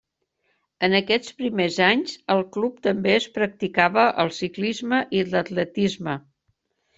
En aquests primers anys, al club, també es practicava el ciclisme i l'atletisme.